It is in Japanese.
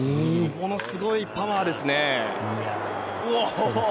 ものすごいパワーですね！